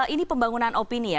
ini pembangunan opini ya